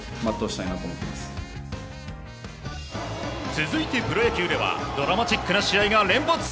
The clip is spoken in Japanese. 続いてプロ野球ではドラマチックな試合が連発。